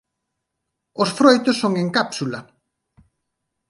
Os froitos son en cápsula.